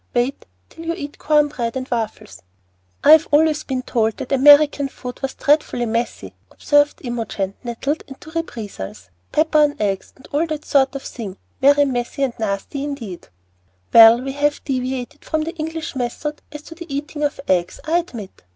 Wait till you eat corn bread and waffles." "I've always been told that the American food was dreadfully messy," observed Imogen, nettled into reprisals; "pepper on eggs, and all that sort of thing, very messy and nasty, indeed." "Well, we have deviated from the English method as to the eating of eggs, I admit.